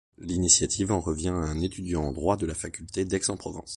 L'initiative en revient à un étudiant en droit de la faculté d'Aix-en-Provence.